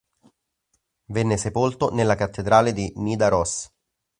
Venne sepolto nella cattedrale di Nidaros.